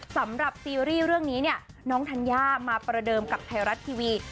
สำหรับซีรีส์เรื่องนี้เนี่ยน้องธัญญามาประเดิมกับไทยรัฐทีวี